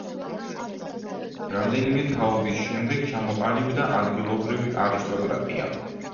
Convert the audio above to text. რამდენიმე თაობის შემდეგ ჩამოყალიბდა ადგილობრივი არისტოკრატია.